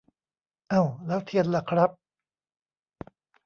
เอ้า ! แล้วเทียนล่ะครับ !